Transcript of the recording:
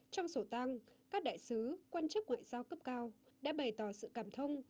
trong sổ tăng các đại sứ quan chức ngoại giao cấp cao đã bày tỏ sự cảm thông